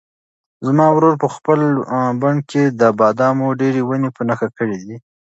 زما ورور په خپل بڼ کې د بادامو ډېرې ونې په نښه کړې دي.